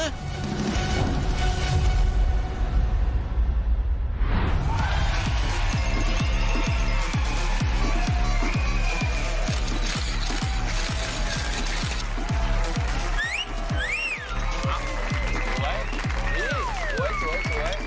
สวยสวยสวย